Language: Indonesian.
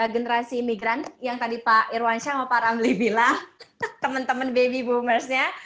generasi migran yang tadi pak irwansyah sama pak ramli bilang teman teman baby boomersnya